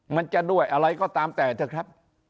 มันจะด้วยอะไรก็ตามแต่เถอะครับ